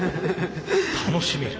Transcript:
楽しめる。